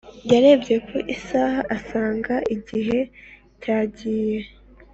yarebye ku isaha asanga igihe cya giye